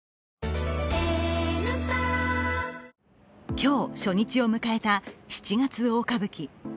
今日、初日を迎えた「七月大歌舞伎」。